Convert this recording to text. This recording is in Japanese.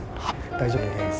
大丈夫です。